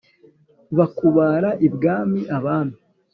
bakubara i bwami abami